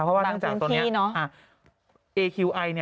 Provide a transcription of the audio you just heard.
เพราะว่าตั้งแต่ตรงนี้หลังจากตรงนี้